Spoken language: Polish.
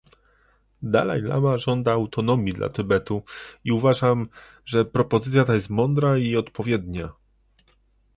Dalajlama żąda autonomii dla Tybetu i uważam, że propozycja ta jest mądra i odpowiednia